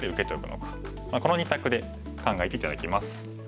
この２択で考えて頂きます。